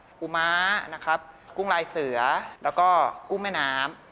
หมูม้านะครับกุ้งลายเสือแล้วก็กุ้งแม่น้ำ